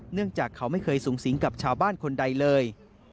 เนื่องจากเขาไม่เคยสูงสิงกับชาวบ้านคนใดเลย